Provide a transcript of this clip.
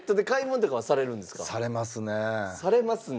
「されますね」。